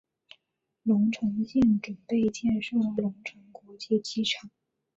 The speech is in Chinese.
隆城县准备建设隆城国际机场。